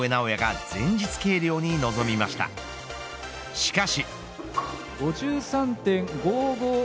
しかし。